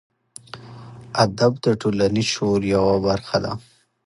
ادب د ټولنیز شعور یوه برخه ده.